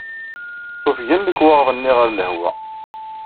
Ufgen lekwaɣeḍ-nni ɣer lehwa.